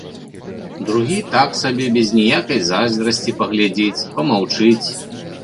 Другі так сабе без ніякай зайздрасці паглядзіць, памаўчыць.